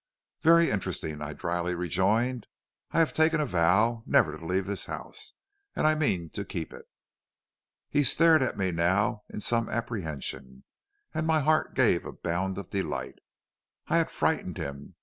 "'Very interesting,' I dryly rejoined. 'I have taken a vow never to leave this house, and I mean to keep it.' "He stared at me now in some apprehension, and my heart gave a bound of delight. I had frightened him.